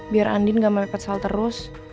biar andin gak melepet sal terus